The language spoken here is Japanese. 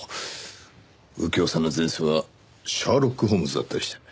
右京さんの前世はシャーロック・ホームズだったりして。